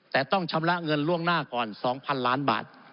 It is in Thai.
แต่ต้องชำระเงินล่วงหน้าก่อน๒๐๐๐ล้านบาท